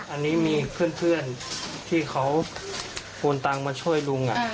อันนี้มีเพื่อนที่เขาโอนตังค์มาช่วยลุง